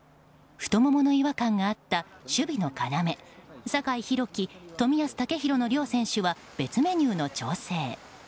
太ももの違和感があった守備の要酒井宏樹、冨安健洋の両選手は別メニューの調整。